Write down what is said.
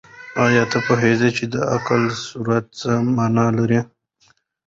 آیا ته پوهېږې چې د علق سورت څه مانا لري؟